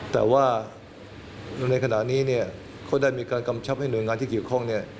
แต่ว่าในขณะนี้เนี่ยก็ได้มีการกำชับให้หน่วยงานที่เกี่ยวข้องเนี่ย